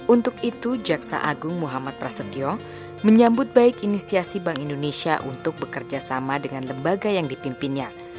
untuk itu jaksa agung muhammad prasetyo menyambut baik inisiasi bank indonesia untuk bekerja sama dengan lembaga yang dipimpinnya